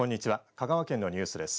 香川県のニュースです。